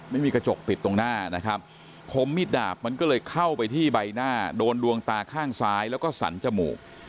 ไม่มีกระจกปิดตรงหน้านะครับคมมิดดาบมันก็เลยเข้าไปที่ใบหน้าโดนดวงตาข้างซ้ายแล้วก็สันจมูก